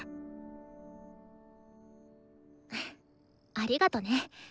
ありがとね。